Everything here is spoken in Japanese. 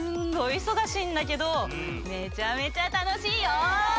いそがしいんだけどめちゃめちゃたのしいよ！